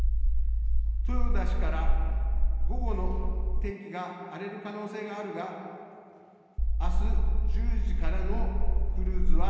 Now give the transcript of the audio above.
豊田氏から午後の天気が荒れる可能性があるがあす１０時からのクルーズは